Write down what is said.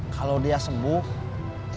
kalau dia sembuh dia mau berubah